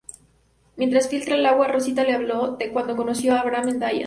Mientras filtra el agua, Rosita les habla de cuando conoció a Abraham en Dallas.